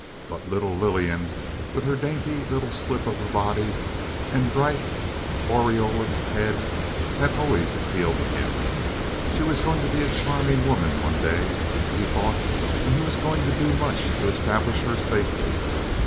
But little Lillian, with her dainty little slip of a body and bright aureoled head, had always appealed to him. She was going to be a charming woman one day, he thought, and he was going to do much to establish her safely.